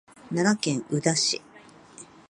奈良県宇陀市